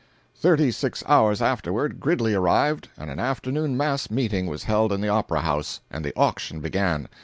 Thirty six hours afterward Gridley arrived, and an afternoon mass meeting was held in the Opera House, and the auction began.